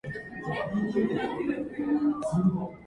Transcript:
The move itself would be panned by critics and viewers.